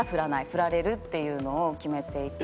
フラれるっていうのを決めていて。